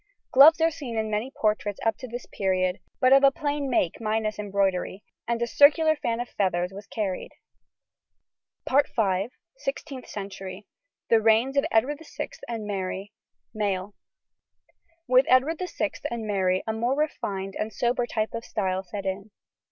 Gloves are seen in many portraits up to this period, but of a plain make minus embroidery, and a circular fan of feathers was carried. SIXTEENTH CENTURY. THE REIGNS OF EDWARD VI AND MARY. MALE. With Edward VI and Mary a more refined and sober type of style set in.